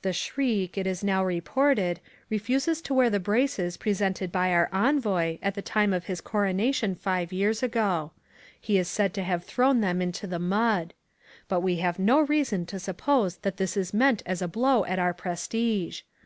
The Shriek, it is now reported, refuses to wear the braces presented to him by our envoy at the time of his coronation five years ago. He is said to have thrown them into the mud. But we have no reason to suppose that this is meant as a blow at our prestige.